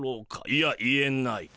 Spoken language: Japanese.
いやいえない。